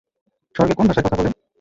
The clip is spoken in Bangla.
স্বর্গে কোন ভাষায় কথা বলে?